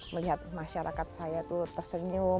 melihat masyarakat saya tersenyum